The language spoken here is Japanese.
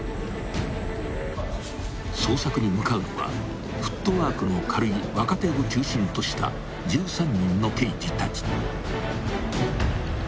［捜索に向かうのはフットワークの軽い若手を中心とした１３人の刑事たち］